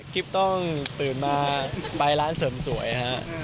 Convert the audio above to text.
กิฟต์ต้องตื่นมาไปร้านเสริมสวยครับ